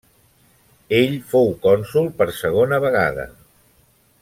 El fou cònsol per segona vegada.